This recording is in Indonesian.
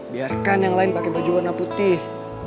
biarkan yang lain pakai baju warna putih